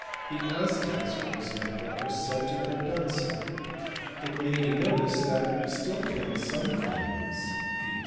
The Aztecs, for example, are said to have done so. It may be noticed that we still count some things (e.